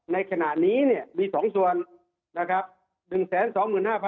ในขณะนี้เนี่ยมี๒ส่วนนะครับ